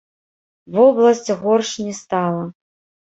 Вобласць горш не стала.